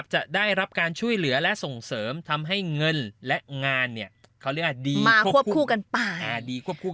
จะได้รับการช่วยเหลือและส่งเสริมทำให้เงินและงานเขาเรียกว่าดีมาควบคู่กันไป